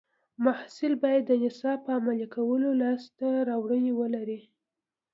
محصل باید د نصاب په عملي کولو لاسته راوړنې ولري.